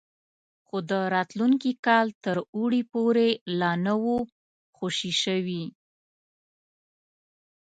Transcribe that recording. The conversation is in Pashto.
خو د راتلونکي کال تر اوړي پورې لا نه وو خوشي شوي.